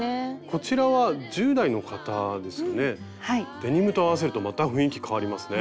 デニムと合わせるとまた雰囲気変わりますね。